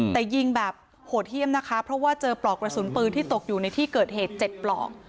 แต่ยิงแบบโหดเยี่ยมนะคะเพราะว่าเจอปลอกกระสุนปืนที่ตกอยู่ในที่เกิดเหตุ๗ปลอก